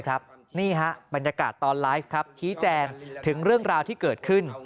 นี่ฮะบรรยากาศตอนไลฟ์ชี้แจงถึงเรื่องราวที่เกิดขึ้น